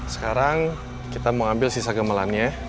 sekarang kita mau ambil sisa gemelannya